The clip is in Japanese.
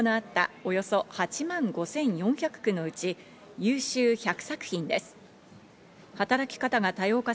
およそ８万５４００句のうち、優秀１００作品です。